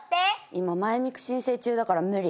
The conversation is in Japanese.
今マイミク申請中だから無理。